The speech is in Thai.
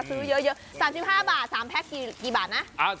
คือ๓๕บาท๓แพ็คกี่บาทนะ